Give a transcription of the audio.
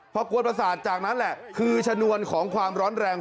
พอกวนประสาทจากนั้นแหละคือชนวนของความร้อนแรง